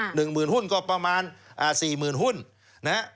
๑๐๐๐๐หุ้นก็ประมาณ๔๐๐๐๐หุ้น